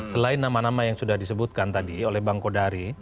selain nama nama yang sudah disebutkan tadi